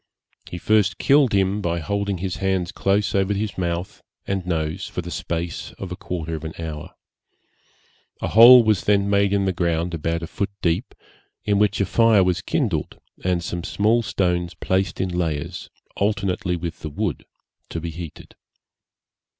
He first killed him by holding his hands close over his mouth and nose for the space of a quarter of an hour. A hole was then made in the ground about a foot deep, in which a fire was kindled, and some small stones placed in layers, alternately with the wood, to be heated.